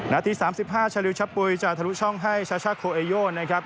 นาที๓๕ชาลิวชะปุ๋ยจะทะลุช่องให้ชาช่าโคเอโยนะครับ